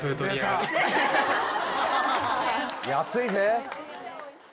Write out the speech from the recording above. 安いぜ。